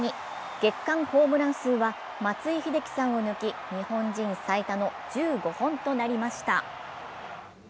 月間ホームラン数は松井秀喜さんを抜き、日本人最多の１５本となりました。